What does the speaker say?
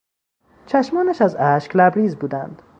چشمانش از اشک لبریز بودند.